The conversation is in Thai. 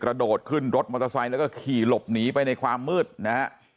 โดดขึ้นรถมอเตอร์ไซค์แล้วก็ขี่หลบหนีไปในความมืดนะฮะ